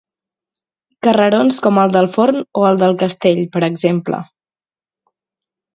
Carrerons com el del Forn o el del castell, per exemple.